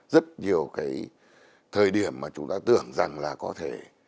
rất nhiều cái thời điểm mà chúng ta tưởng rằng là có thể